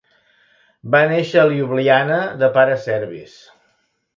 Va néixer a Ljubljana de pares serbis.